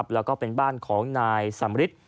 แล้วก็เป็นบ้านของนายสำริท